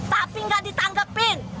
tapi nggak ditanggepin